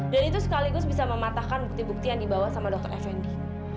dan itu sekaligus bisa mematahkan bukti bukti yang dibawa sama dokter effendi